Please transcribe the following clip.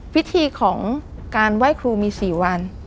ภิษฐี่ของการไหว้ครูมีสี่วัน